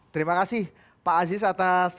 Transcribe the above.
terima kasih pak aziz atas